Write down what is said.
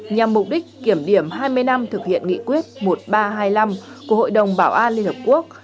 nhằm mục đích kiểm điểm hai mươi năm thực hiện nghị quyết một nghìn ba trăm hai mươi năm của hội đồng bảo an liên hợp quốc